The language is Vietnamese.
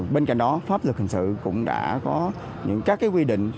bên cạnh đó pháp luật hình sự cũng đã có những các quy định